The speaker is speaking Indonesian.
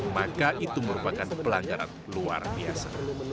maka itu merupakan pelanggaran luar biasa